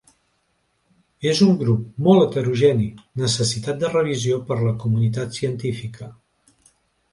És un grup molt heterogeni, necessitat de revisió per la comunitat científica.